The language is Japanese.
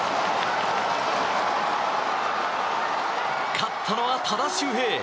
勝ったのは多田修平。